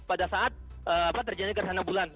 pada saat terjadi gerhana bulan